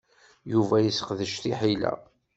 Yuba yesseqdec tiḥila.